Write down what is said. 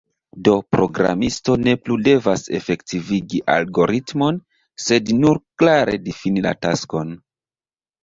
Do, programisto ne plu devas efektivigi algoritmon, sed nur klare difini la taskon.